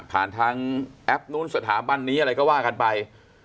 ทางแอปนู้นสถาบันนี้อะไรก็ว่ากันไป